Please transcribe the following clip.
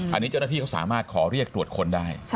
อันนี้เจ้าหน้าที่เขาสามารถขอเรียกตรวจค้นได้